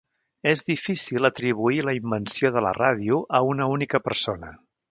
És difícil atribuir la invenció de la ràdio a una única persona.